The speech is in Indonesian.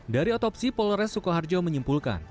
dari otopsi polres sukoharjo menyimpulkan